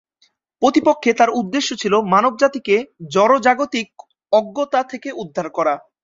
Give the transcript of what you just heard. প্রকৃতপক্ষে তার উদ্দেশ্য ছিল মানবজাতিকে জড়-জাগতিক অজ্ঞতা থেকে উদ্ধার করা।